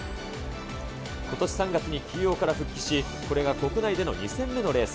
ことし３月に休養から復帰し、これが国内での２戦目のレース。